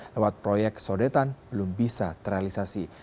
lewat proyek sodetan belum bisa terrealisasi